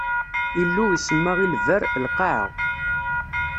Illu isemma i lberr: lqaɛa.